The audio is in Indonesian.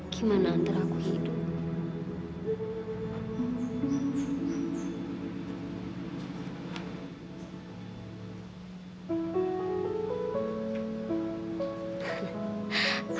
gimana antara aku hidup